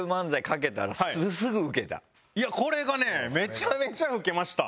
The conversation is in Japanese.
いやこれがねめちゃめちゃウケました。